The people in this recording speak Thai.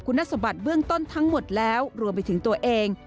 คุณสมบัติเบื้องต้นทั้งหมดแล้วรวมไปถึงตัวเอง